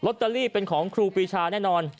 ตเตอรี่เป็นของครูปีชาแน่นอน